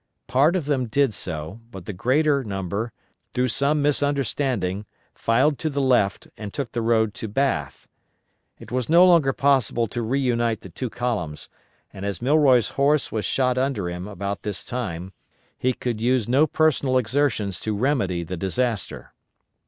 Part of them did so, but the greater number, through some misunderstanding, filed to the left, and took the road to Bath. It was no longer possible to reunite the two columns and as Milroy's horse was shot under him about this time, he could use no personal exertions to remedy the disaster.